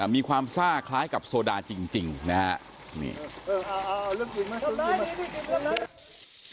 มีความซ่าคล้ายกับโซดาจริงนะฮะนี่